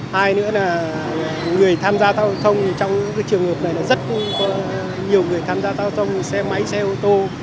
hai nữa là người tham gia thao thông trong trường hợp này là rất nhiều người tham gia thao thông xe máy xe ô tô